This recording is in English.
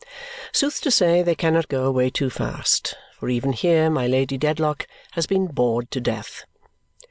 Sooth to say, they cannot go away too fast, for even here my Lady Dedlock has been bored to death.